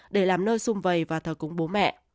để làm nơi xung vầy và thờ cúng bố mẹ